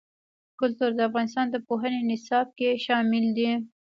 کلتور د افغانستان د پوهنې نصاب کې شامل دي.